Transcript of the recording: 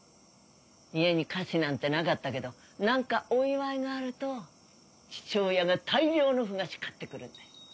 家に菓子なんてなかったけどなんかお祝いがあると父親が大量の麩菓子買ってくるんだよ。